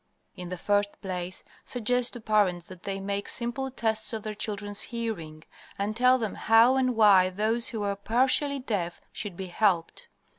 "In the first place, suggest to parents that they make simple tests of their children's hearing; and tell them how and why those who are partially deaf should be helped.